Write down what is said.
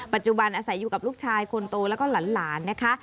อาศัยอยู่กับลูกชายคนโตแล้วก็หลานนะคะ